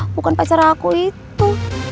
bukan pacar aku itu